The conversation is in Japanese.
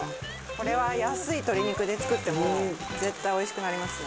これは安い鶏肉で作っても絶対おいしくなりますね。